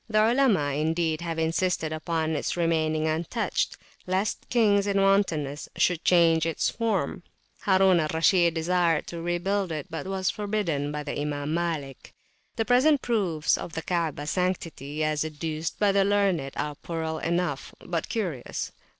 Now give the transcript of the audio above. The Olema indeed have insisted upon its remaining untouched, lest kings in wantonness should change its form: Harun al Rashid desired to rebuild it, but was forbidden by the Imam Malik. The present proofs of the Kaabahs sanctity, as adduced by the learned, are puerile enough, but curious.